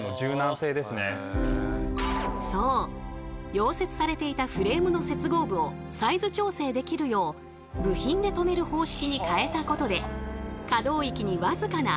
溶接されていたフレームの接合部をサイズ調整できるよう部品で留める方式に変えたことで可動域に僅かなあそびができ